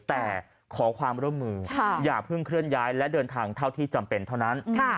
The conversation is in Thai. แต่ขอความร่วมมืออย่าเพิ่งเคลื่อนย้ายและเดินทางเท่าที่จำเป็นเท่านั้น